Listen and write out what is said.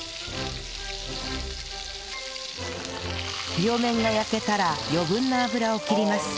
両面が焼けたら余分な油を切ります